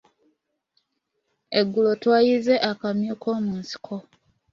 Eggulo twayizze akamyu koomunsiko.